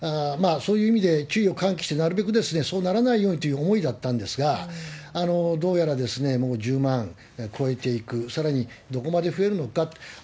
そういう意味で、注意を喚起して、なるべくそうならないようにという思いだったんですが、どうやらもう１０万超えていく、さらにどこまで増えるのかと。